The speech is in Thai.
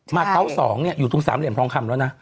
มาเก้าสองเนี่ยอยู่ตรงสามเหลี่ยมท้องคำแล้วนะ